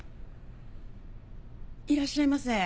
いらっしゃいませ。